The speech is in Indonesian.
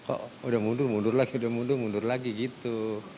kok udah mundur mundur lagi udah mundur mundur lagi gitu